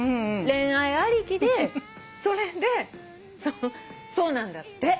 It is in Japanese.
恋愛ありきでそれでそうなんだって。